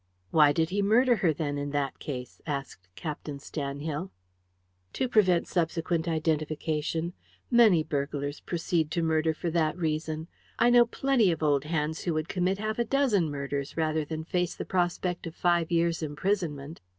"Why did he murder her, then, in that case?" asked Captain Stanhill. "To prevent subsequent identification. Many burglars proceed to murder for that reason. I know plenty of old hands who would commit half a dozen murders rather than face the prospect of five years' imprisonment.